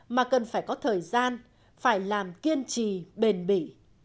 mà cần phải có thời gian phải làm kiên trì bền bỉ